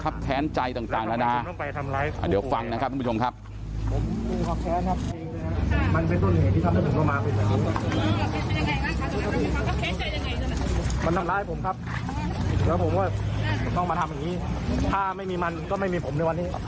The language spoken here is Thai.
มันทำร้ายผมครับแล้วผมว่าต้องมาทำอย่างงี้ถ้าไม่มีมันก็ไม่มีผมในวันนี้